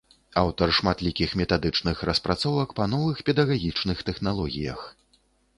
Аўтар шматлікіх метадычных распрацовак па новых педагагічных тэхналогіях.